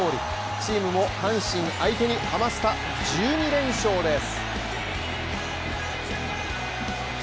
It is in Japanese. チームも阪神相手にハマスタ１２連勝です。